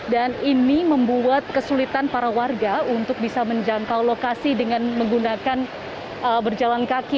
dan ini membuat kesulitan para warga untuk bisa menjangkau lokasi dengan menggunakan berjalan kaki